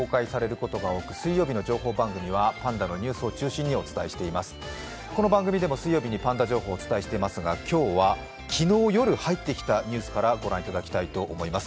この番組でも水曜日にパンダ情報をお伝えしていますが今日は昨日夜入ってきたニュースからご覧いただきたいと思います。